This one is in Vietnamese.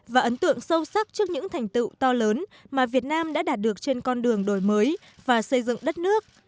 và ấn tượng sâu sắc trước những thành tựu to lớn mà việt nam đã đạt được trên con đường đổi mới và xây dựng đất nước